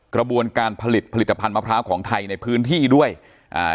กระบวนการผลิตผลิตภัณฑ์มะพร้าวของไทยในพื้นที่ด้วยอ่า